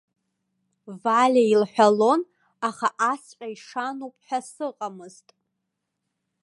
Валиа илҳәалон, аха асҵәҟьа ишаноуп ҳәа сыҟамызт.